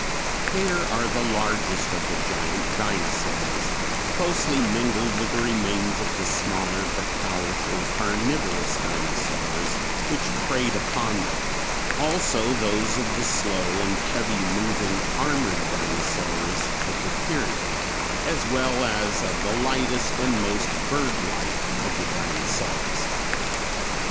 Here are the largest of the giant dinosaurs closely mingled with the remains of the smaller but powerful carnivorous dinosaurs which preyed upon them, also those of the slow and heavy moving armored dinosaurs of the period, as well as of the lightest and most bird like of the dinosaurs.